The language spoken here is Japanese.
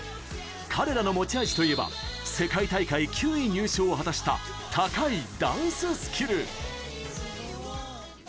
彼らの持ち味といえば世界大会９位入賞を果たした高いダンススキル。